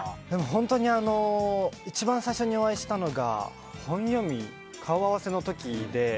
本当に一番最初にお会いしたのが本読み顔合わせの時で。